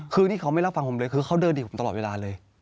คือนี่เขาไม่รับฟังผมเลยคือเขาเดินอีกผมตลอดเวลาเลย